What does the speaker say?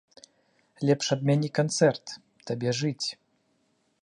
Лепш адмяні канцэрт, табе жыць.